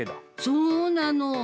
そうなの。